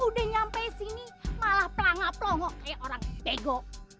udah nyampe sini malah pelangap longok kayak orang bego